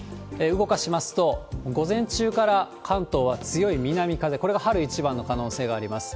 動かしますと、午前中から関東は強い南風、これが春一番の可能性があります。